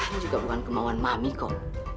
ini juga bukan kemauan mahami kok